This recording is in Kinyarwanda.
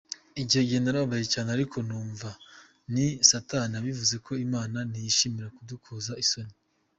Icyo gihe narababaye cyane ariko numva ni Satani ubivuze kuko Imana ntiyishimira kudukoza isoni.